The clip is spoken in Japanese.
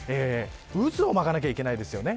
渦を巻かなきゃいけないんですよね。